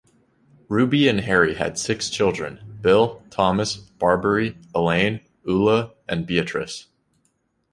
Ruby and Harry had six children: Bill, Thomas, Barberry, Elaine, Ula and Beatrice.